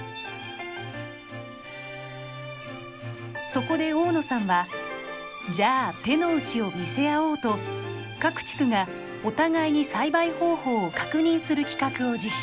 そこで大野さんは「じゃあ手の内を見せ合おう」と各地区がお互いに栽培方法を確認する企画を実施。